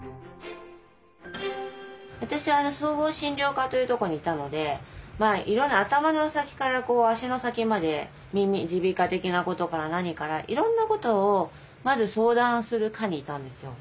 私は総合診療科というとこにいたのでまあいろんな頭の先から足の先まで耳鼻科的なことから何からいろんなことをまず相談する科にいたんですよ。